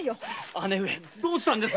姉上どうしたんです？